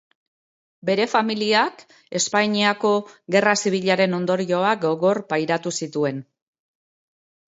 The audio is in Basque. Bere familiak Espainiako Gerra Zibilaren ondorioak gogor pairatu zituen.